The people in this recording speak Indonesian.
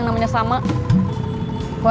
belum pernah kenal sama yang nama poni